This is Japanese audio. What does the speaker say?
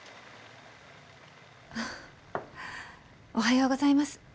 おはようございます。